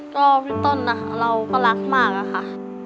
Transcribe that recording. ก็พี่ต้นนะคะเราก็รักมากอะค่ะ